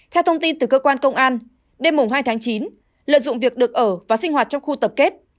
theo thông tin từ cơ quan công an đêm hai tháng chín lợi dụng việc được ở và sinh hoạt trong khu tập kết